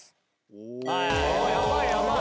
やばいやばい。